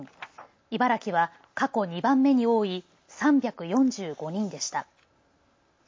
茨城は過去２番目に多い３４５人でした。